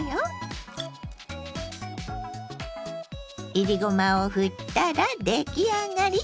いりごまをふったら出来上がり。